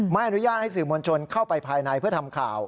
ไม่อนุญาตให้สื่อมวลชนเข้าไปภายในเพื่อทำข่าว